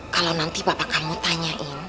kalau nanti bapak kamu tanyain